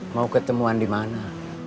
mau ketemuan di mana